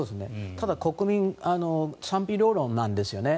ただ、国民は賛否両論なんですよね。